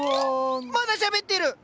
まだしゃべってる！